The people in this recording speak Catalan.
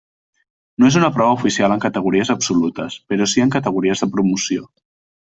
No és una prova oficial en categories absolutes però sí en categories de promoció.